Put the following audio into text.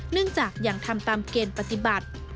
เนื่องจากยังทำตามเกณฑ์ปฏิบัติ